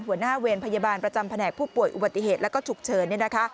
หัวหน้าเวรพยาบาลประจำแผนกผู้ป่วยอุบัติเหตุและก็ฉุกเฉิน